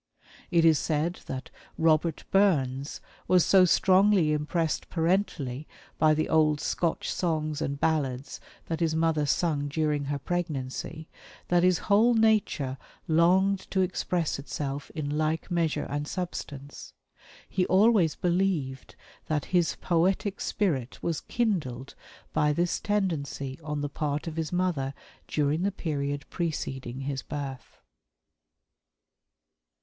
It is said that Robert Burns was so strongly impressed parentally by the old Scotch songs and ballads that his mother sung during her pregnancy, that his whole nature longed to express itself in like measure and substance. He always believed that his poetic spirit was kindled by this tendency on the part of his mother during the period preceding his birth.